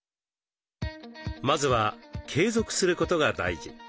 まずは継続することが大事。